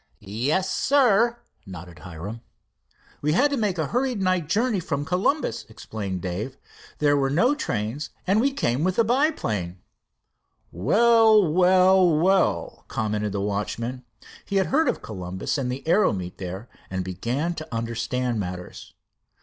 "Yes, sir," nodded Hiram. "We had to make a hurried night journey from Columbus," explained Dave. "There were no trains, and we came with the biplane." "Well, well, well," commented the watchman. He had heard of Columbus and the aero meet there, and began to understand matters.